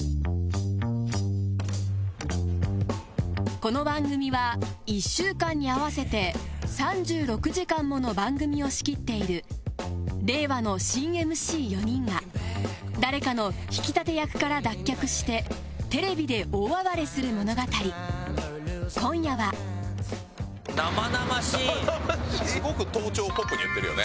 この番組は１週間に合わせて３６時間もの番組を仕切っている令和の新ＭＣ４人が誰かの引き立て役から脱却してテレビで大暴れする物語今夜はすごく盗聴をポップにやってるよね。